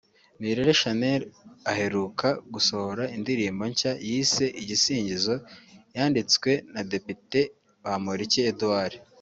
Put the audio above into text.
Nirere Shanel aheruka gusohora indirimbo nshya yise Igisingizo yanditswe na Depite Bamporiki Edouard